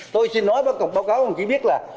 tôi xin nói với báo cáo của ông chí biết là